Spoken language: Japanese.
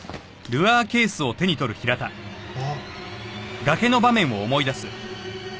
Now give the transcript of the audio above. あっ。